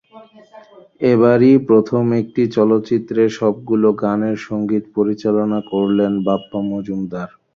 এবারই প্রথম একটি চলচ্চিত্রের সবগুলো গানের সংগীত পরিচালনা করলেন বাপ্পা মজুমদার।